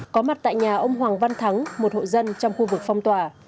có mặt tại nhà ông hoàng văn thắng một hộ dân trong khu vực phong tỏa